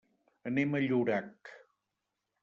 Anem a Llorac.